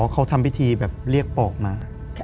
เขาทำพิธีแบบเรียกปอกมา